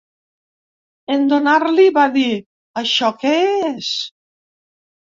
En donar-li’l va dir Això què és?